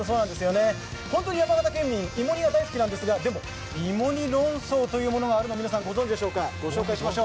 本当に山形県民、芋煮が大好きなんですがでも芋煮論争というものがあるのご存じでしょうか。